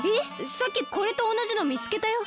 さっきこれとおなじのみつけたよ。